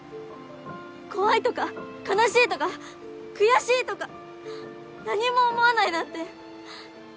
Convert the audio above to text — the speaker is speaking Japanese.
怖いとか悲しいとか悔しいとか何も思わないなんて。